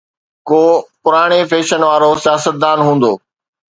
ڪو پراڻي فيشن وارو سياستدان هوندو.